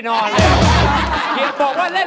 โอเค